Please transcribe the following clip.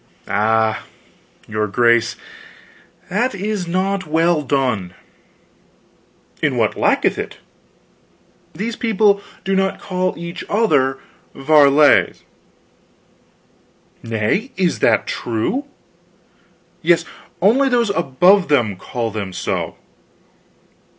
"Ah, your grace, that is not well done." "In what lacketh it?" "These people do not call each other varlets." "Nay, is that true?" "Yes; only those above them call them so."